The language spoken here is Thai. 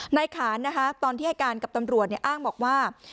นายขานนะคะตอนที่ให้การกับตำรวจอ้างบอกว่า